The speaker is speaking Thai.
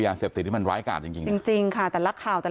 แล้วคุยกับลูกชายก็ได้